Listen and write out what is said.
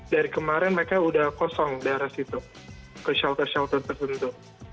dari kemarin mereka sudah kosong daerah situ ke shelter shelter tertentu